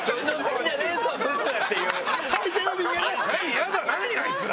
やだ何あいつら」。